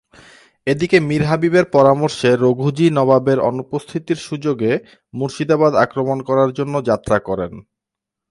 এদিকে মীর হাবিবের পরামর্শে রঘুজী নবাবের অনুপস্থিতির সুযোগে মুর্শিদাবাদ আক্রমণ করার জন্য যাত্রা করেন।